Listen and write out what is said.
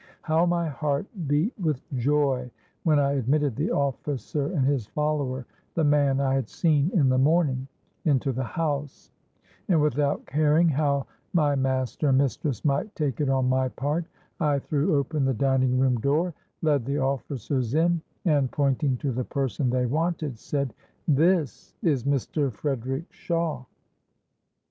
How my heart beat with joy when I admitted the officer and his follower (the man I had seen in the morning) into the house; and, without caring how my master and mistress might take it on my part, I threw open the dining room door, led the officers in, and, pointing to the person they wanted, said, 'This is Mr Frederick Shawe!'